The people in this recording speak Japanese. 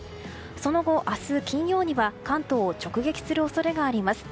その後、明日金曜には関東を直撃する恐れがあります。